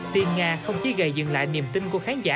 tiên nga không chỉ gây dựng lại niềm tin của khán giả